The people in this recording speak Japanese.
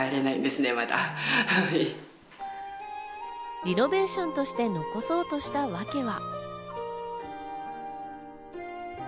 リノベーションとして残そうとしたわけは。